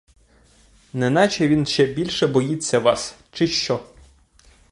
Неначе він ще більше боїться вас, чи що?